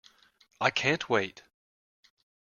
I can't wait!